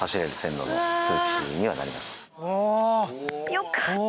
よかった！